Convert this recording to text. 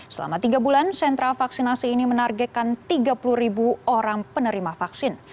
selama tiga bulan sentra vaksinasi ini menargetkan tiga puluh ribu orang penerima vaksin